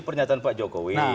pernyataan pak jokowi